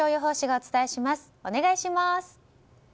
お願いします。